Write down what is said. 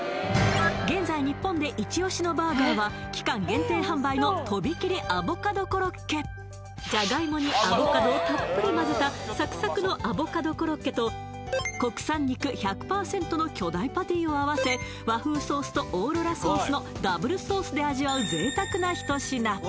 現在日本でイチオシのバーガーは期間限定販売のとびきりアボカドコロッケじゃがいもにアボカドをたっぷり混ぜたサクサクのアボカドコロッケと国産肉１００％の巨大パティを合わせ和風ソースとオーロラソースのダブルソースで味わう